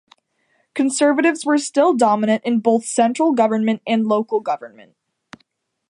Conservatives were still dominant in both central government and local government.